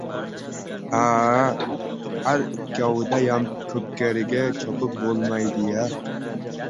— Ha-a, har ikkovidayam ko‘pkariga chopib bo‘lmaydi-ya?